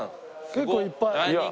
結構いっぱい。